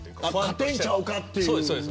勝てるんちゃうかという。